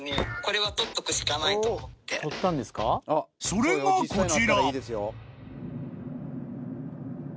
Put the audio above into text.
［それがこちら］